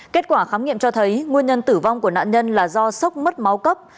kết quả khám nghiệm cho thấy nguyên nhân tử vong của nạn nhân là do sốc mất máu cấp